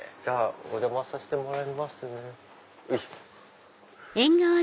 お邪魔させてもらいます。